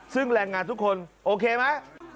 ซึ่งแรงงานทุกคนโอเคไหม